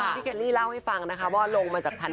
เคลลี่เล่าให้ฟังนะคะว่าลงมาจากชั้น